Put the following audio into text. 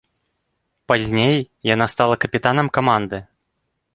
Пазней яна стала капітанам каманды.